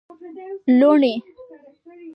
لوڼی